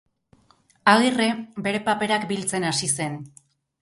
Agirre bere paperak biltzen hasi zen.